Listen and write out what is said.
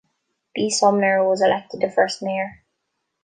B. Sumner was elected the first mayor.